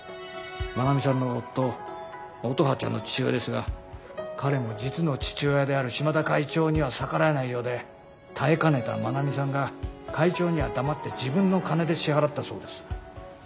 真奈美さんの夫乙葉ちゃんの父親ですが彼も実の父親である島田会長には逆らえないようで耐えかねた真奈美さんが会長には黙って自分の金で支払ったそうです。